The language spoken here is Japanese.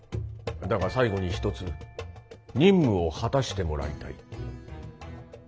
だが最後に一つ任務を果たしてもらいたい。